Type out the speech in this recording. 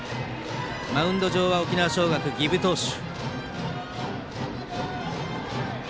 マウンド上は沖縄尚学、儀部投手。